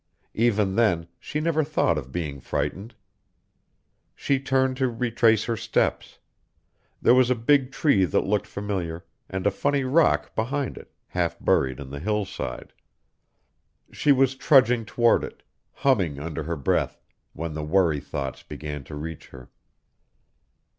Even then, she never thought of being frightened. She turned to retrace her steps. There was a big tree that looked familiar, and a funny rock behind it, half buried in the hillside. She was trudging toward it, humming under her breath, when the worry thoughts began to reach her.